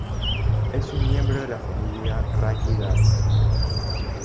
Es un miembro de la familia Rallidae.